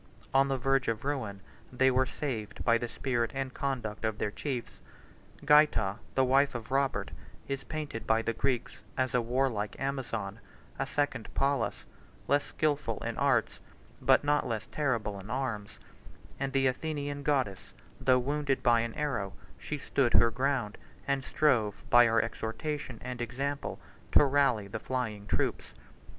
On the verge of ruin, they were saved by the spirit and conduct of their chiefs. Gaita, the wife of Robert, is painted by the Greeks as a warlike Amazon, a second Pallas; less skilful in arts, but not less terrible in arms, than the Athenian goddess: 73 though wounded by an arrow, she stood her ground, and strove, by her exhortation and example, to rally the flying troops.